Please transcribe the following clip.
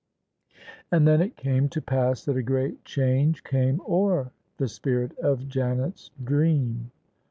And then it came to pass that a great change came o'er the spirit of Janet's dream.